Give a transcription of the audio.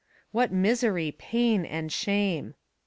What misery, and pain, and shame!